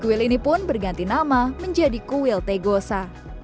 kuil ini pun berganti nama menjadi kuil tegosa